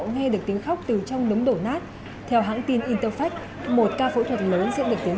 nghe được tiếng khóc từ trong đống đổ nát theo hãng tin interfake một ca phẫu thuật lớn sẽ được tiến